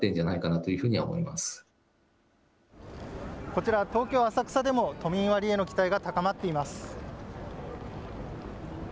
こちら、東京・浅草でも都民割への期待が高まっています。